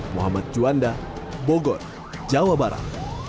muhammad juanda bogor jawa barat